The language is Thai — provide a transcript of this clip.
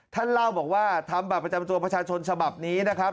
ท่านเล่าบอกว่าทำบัตรประจำตัวประชาชนฉบับนี้นะครับ